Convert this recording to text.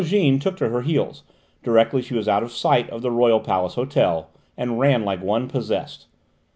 Jeanne took to her heels, directly she was out of sight of the Royal Palace Hotel, and ran like one possessed.